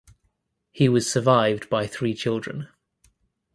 He was survived by three children.